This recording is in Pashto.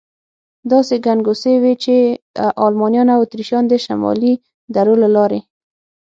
داسې ګنګوسې وې، چې المانیان او اتریشیان د شمالي درو له لارې.